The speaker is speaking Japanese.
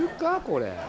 これ。